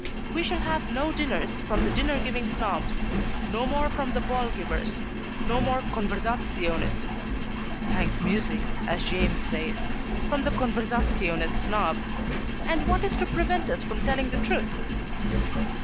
We shall have no dinners from the dinner giving Snobs: no more from the ball givers: no more CONVERSAZIONES (thank Mussy! as Jeames says,) from the Conversaziones Snob: and what is to prevent us from telling the truth?